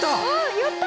やった！